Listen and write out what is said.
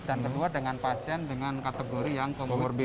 dan kedua dengan pasien dengan kategori yang komorbid